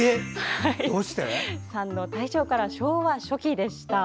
３の大正から昭和初期でした。